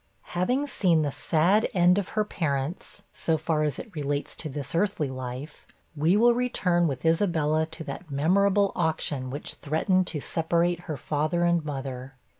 Having seen the sad end of her parents, so far as it relates to this earthly life, we will return with Isabella to that memorable auction which threatened to separate her father and mother.